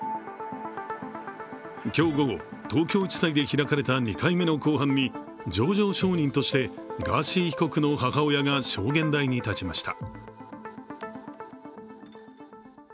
今日午後、東京地裁で開かれた２回目の公判に情状証人としてガーシー被告の母親が証言台に立ちました。